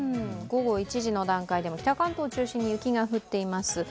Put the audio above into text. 午後１時の段階でも北関東を中心に雪が降っています。